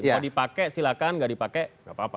kalau dipakai silakan nggak dipakai nggak apa apa